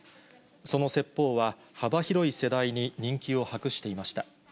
その説法は、幅広い世代に人気を博していました。